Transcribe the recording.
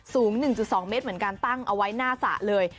สูง๑๒เมตรเหมือนกันตั้งเอาไว้หน้าสระเลย